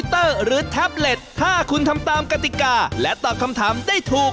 ถ้าคุณทำตามกติกาและตอบคำถามได้ถูก